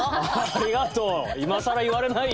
ありがとう。